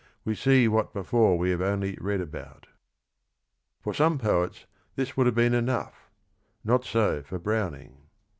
We see what before we have only read about. For some poets this would have been enough; not so for Browning.